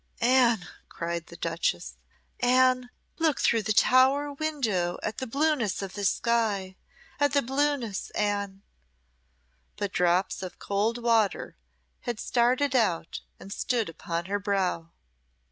"Anne!" cried the duchess "Anne, look through the tower window at the blueness of the sky at the blueness, Anne!" But drops of cold water had started out and stood upon her brow.